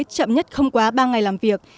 chậm nhất không quá ba ngày làm việc